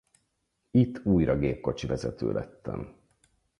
Itt újra gépkocsivezető lettem.